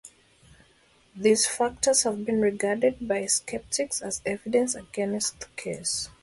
These factors have been regarded by sceptics as evidence against the case.